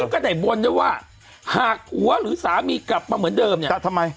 ซึ่งข้าแด็กลบด้วยว่าหากผัวหรือสามีกลับมาเหมือนเดิมเงี้ย